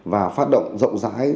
và phát động rộng rãi